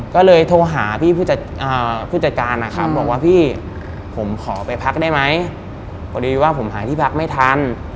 ก็เลยโทรหาพี่ผู้จัดการนะครับบอกว่าพี่ผมขอไปพักได้ไหมพอดีว่าผมหาที่พักไม่ทัน